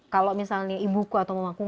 kalau misalnya ibuku atau mamaku